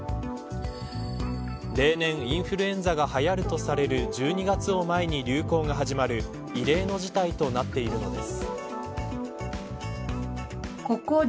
例年、インフルエンザがはやるとされる１２月を前に流行が始まる異例の事態となっているのです。